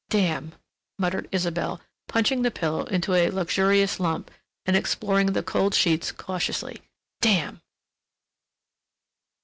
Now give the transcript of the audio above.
"Damn!" muttered Isabelle, punching the pillow into a luxurious lump and exploring the cold sheets cautiously. "Damn!"